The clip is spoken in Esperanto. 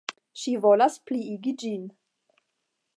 Ŝi volas pliigi ĝin.